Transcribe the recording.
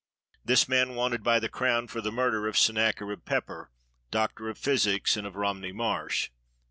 This man wanted by the crown for the murder of Sen nacherib Pepper, Doctor of Physics and of Romney Marsh.